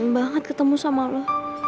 seneng banget ketemu sama lo